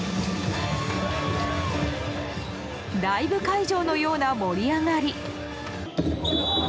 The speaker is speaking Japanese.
ライブ会場のような盛り上がり。